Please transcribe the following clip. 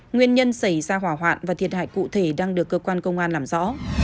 nguyên nhân xảy ra hỏa hoạn và thiệt hại cụ thể đang được cơ quan công an làm rõ